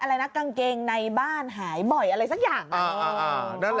อะไรนะกางเกงในบ้านหายบ่อยอะไรสักอย่าง